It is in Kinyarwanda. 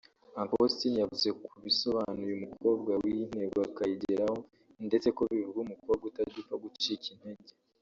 Uncle Austin yavuze ko bisobanuye ‘umukobwa wiha intego akayigeraho’ ndetse ko bivuga ‘umukobwa utajya upfa gucika intege’